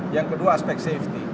yang kedua aspek safety